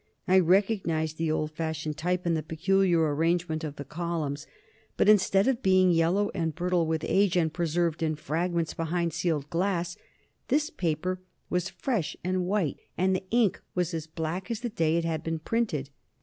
I recognized the old fashioned type, and the peculiar arrangement of the columns. But, instead of being yellow and brittle with age, and preserved in fragments behind sealed glass, this paper was fresh and white, and the ink was as black as the day it had been printed.